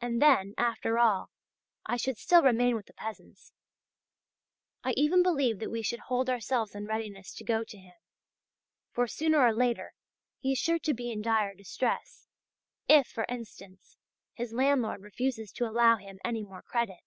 And, then, after all, I should still remain with the peasants. I even believe that we should hold ourselves in readiness to go to him; for sooner or later he is sure to be in dire distress, if, for instance, his landlord refuses to allow him any more credit.